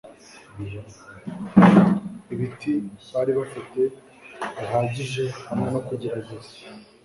Ibiti bari bafite bihagije hamwe no kugerageza